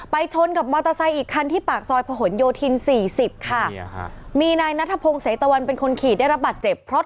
ไปชนกับมอเตอร์ไซค์อีกคันที่ปากซอยพหนโยธิน๔๐ค่ะ